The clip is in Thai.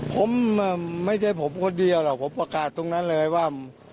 ผมไม่ใช่ผมคนเดียวหรอกผมประกาศตรงนั้นเลยว่า